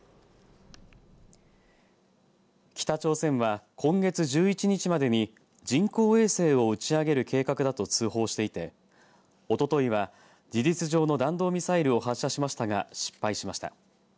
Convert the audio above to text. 北朝鮮は今月１１日までに人工衛星を打ち上げる計画だと通報していておとといは事実上の弾道ミサイルを発射しましたが、失敗しました。